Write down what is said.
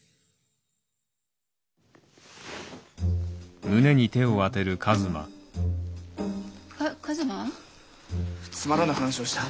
か一馬？つまらぬ話をした。